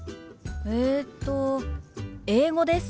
えっと英語です。